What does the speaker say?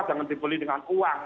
jangan dibeli dengan uang